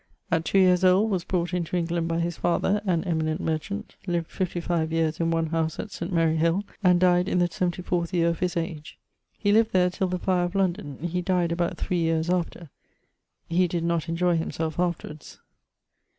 At 2 yeares old was brought into England by his father, an eminent merchant; lived 55 yeares in one house at St. Mary Hill, and dyed in the 74th yeare of his age. He lived there till the fire of London; he dyed about 3 yeares after he did not enjoy himselfe afterwards.